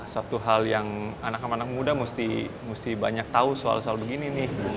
satu hal yang anak anak muda harus tahu soal soal begini